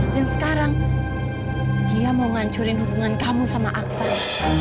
dan sekarang dia mau ngancurin hubungan kamu sama aksan